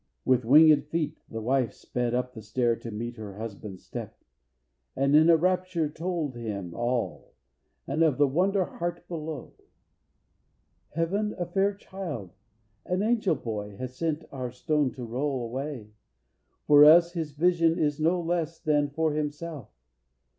With wingëd feet the wife Sped up the stair to meet her husband's step, And in a rapture told him all, and of The wonder heart below. "Heaven, a fair child, An angel boy, has sent our stone to roll Away! For us his vision is no less Than for himself.